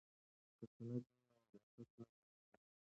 که سند وي نو لیاقت نه ضایع کیږي.